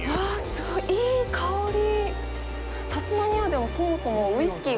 すごいいい香り。